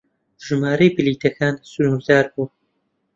ژمارەی بلیتەکان سنوردار بوو.